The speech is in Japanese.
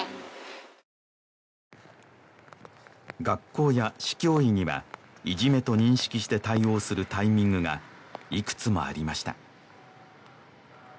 学校や市教委にはいじめと認識して対応するタイミングがいくつもありました